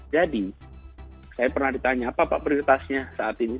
jadi saya pernah ditanya apa prioritasnya saat ini